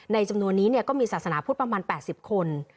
จำนวนนี้ก็มีศาสนาพุทธประมาณ๘๐คน